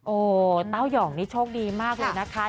โอ้โหเต้ายองนี่โชคดีมากเลยนะคะ